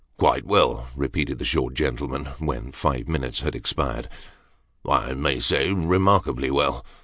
" Quite well," repeated the short gentleman, when five minutes had expired. "I may say remarkably well."